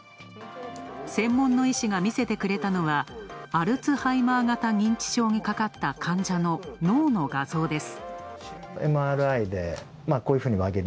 専門の医師が見せてくれたのはアルツハイマー型認知症にかかった患者の脳の画像です。